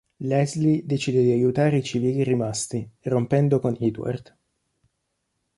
Leslie decide di aiutare i civili rimasti, rompendo con Edward.